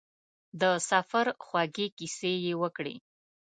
د سفر خوږې کیسې یې وکړې.